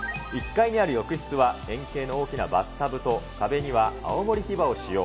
１階にある浴室は、円形の大きなバスタブと、壁には青森ヒバを使用。